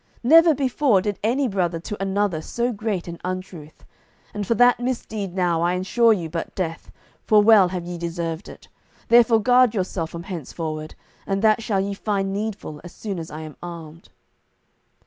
Never before did any brother to another so great an untruth. And for that misdeed now I ensure you but death, for well have ye deserved it. Therefore guard yourself from henceforward, and that shall ye find needful as soon as I am armed."